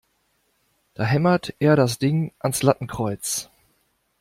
Da hämmert er das Ding ans Lattenkreuz!